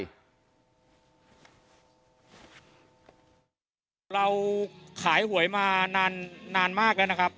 เราขายหวยมานานมากแล้วนะครับ